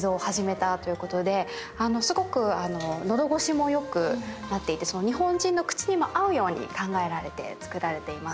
すごく喉越しも良くなっていて日本人の口にも合うように考えられて作られています。